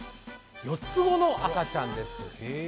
４つ子の赤ちゃんです。